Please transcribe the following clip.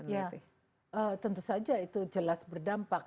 ya tentu saja itu jelas berdampak